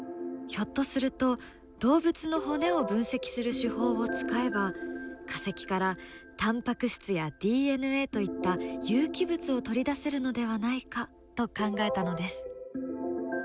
ひょっとすると動物の骨を分析する手法を使えば化石からタンパク質やＤＮＡといった有機物を取り出せるのではないかと考えたのです。